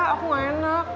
aku gak enak